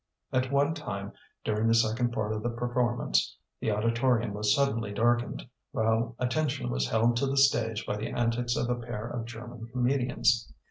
At one time during the second part of the performance, the auditorium was suddenly darkened, while attention was held to the stage by the antics of a pair of German comedians.